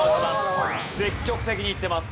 積極的にいってます。